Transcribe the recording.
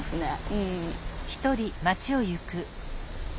うん。